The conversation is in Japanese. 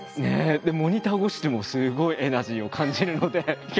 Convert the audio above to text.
でもモニター越しでもすごいエナジーを感じるのでいや